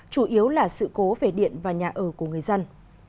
chủ yếu là sự cố về điện và nhà ở của người dân